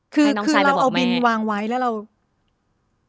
คือเราเอาบินวางไว้แล้วเรา